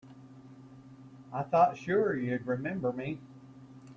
I thought sure you'd remember me.